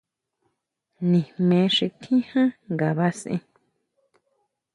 Nijme xi tjín jan ngabasen.